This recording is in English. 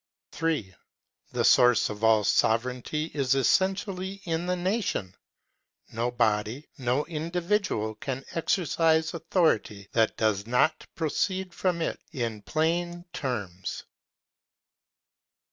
3. The source of all sovereignity is essentially in the na tion ; no body, no individual can exercise authority that does not proceed from it in plain terms.